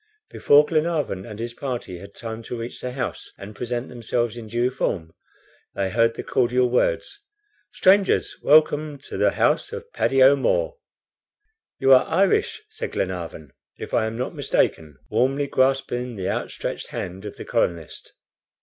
Before Glenarvan and his party had time to reach the house and present themselves in due form, they heard the cordial words: "Strangers! welcome to the house of Paddy O'Moore!" "You are Irish," said Glenarvan, "if I am not mistaken," warmly grasping the outstretched hand of the colonist.